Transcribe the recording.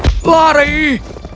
tidak ayah aku tidak bisa